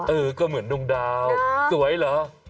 เออก็เหมือนดวงดาวสวยเหรอ